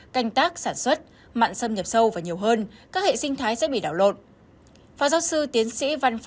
canh tác sản xuất mạng xâm nhập sâu và nhiều hơn các hệ sinh thái sẽ bị đảo lộn